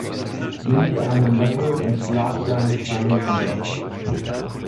Nimm dir einen Löffel und schlag deinen kleinen Bruder!